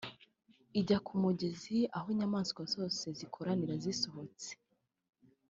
ijya ku mugezi aho inyamaswa zose zikoranira zishotse